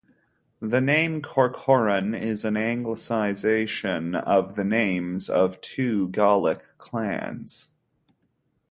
The name Corcoran is an anglicisation of the names of two Gaelic clans.